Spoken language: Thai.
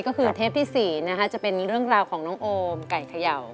ก็คือเทปที่๔นะคะจะเป็นเรื่องราวของน้องโอมไก่เขย่า